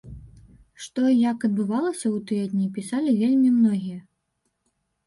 Што і як адбывалася ў тыя дні, пісалі вельмі многія.